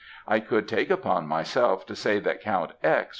I could take upon myself to say that Count X.